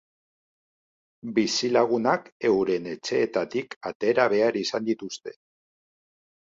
Bizilagunak euren etxeetatik atera behar izan dituzte.